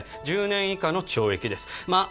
１０年以下の懲役ですまあ